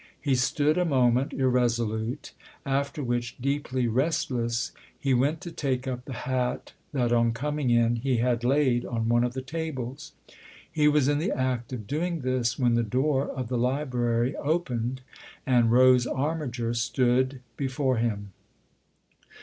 He stood a moment irresolute ; after which, deeply THE OTHER HOUSE 309 restless, he went to take up the hat that, on coming in, he had laid on one of the tables. He was in the act of doing this when the door of the library opened and Rose Armiger stood before him.